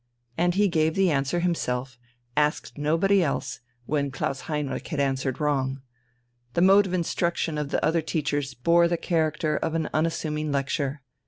And he gave the answer himself, asked nobody else, when Klaus Heinrich had answered wrong. The mode of instruction of the other teachers bore the character of an unassuming lecture.